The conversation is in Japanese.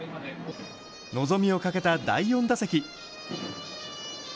望みをかけた第４打席。